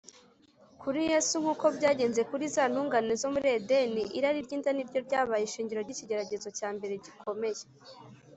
Kuri Yesu, nkuko byagenze kuri za ntungane zo muri Edeni, irari ry’inda niryo ryabaye ishingiro ry’ikigeragezo cya mbere gikomeye